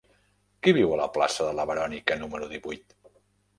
Qui viu a la plaça de la Verònica número divuit?